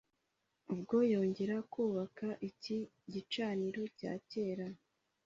Ubwo yongeraga kubaka iki gicaniro cya kera